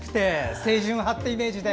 清純派ってイメージで。